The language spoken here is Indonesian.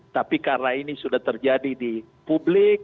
tapi karena ini sudah terjadi di publik